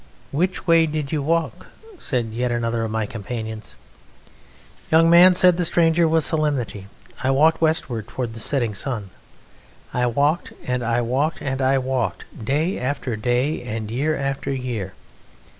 "Which way did you walk?" said yet another of my companions. "Young man," said the stranger, with solemnity, "I walked westward toward the setting sun ... I walked and I walked and I walked, day after day and year after year.